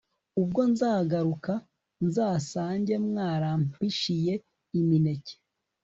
ubwo nzagaruka nzasange mwarampishiye imineke